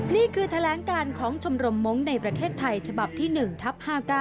นี่คือแถลงการของชมรมมงค์ในประเทศไทยฉบับที่๑ทับ๕๙